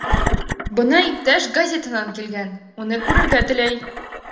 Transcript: Бына иптәш газетанан килгән, уны күрергә теләй.